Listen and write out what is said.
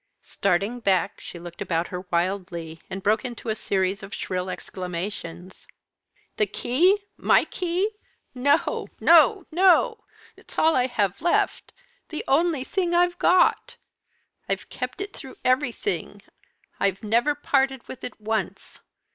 Starting back, she looked about her wildly, and broke into a series of shrill exclamations. "The key! my key! no! no! no! It is all I have left the only thing I've got. I've kept it through everything I've never parted from it once.